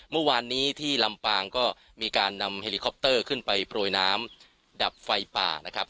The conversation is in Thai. เมื่อวานนี้ที่ลำปางก็มีการนำเฮลิคอปเตอร์ขึ้นไปโปรยน้ำดับไฟป่านะครับ